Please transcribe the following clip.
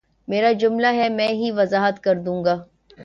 میرا جملہ ہے میں ہی وضاحت کر دوں گا